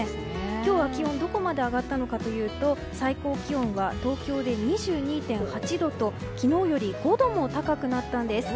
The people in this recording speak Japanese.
今日は気温どこまで上がったのかというと最高気温は東京で２２．８度と昨日より５度も高くなったんです。